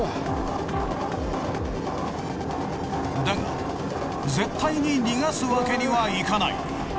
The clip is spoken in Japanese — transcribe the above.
だが絶対に逃がすわけにはいかない。